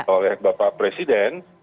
oleh bapak presiden